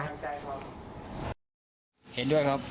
เห็นด้วยครับ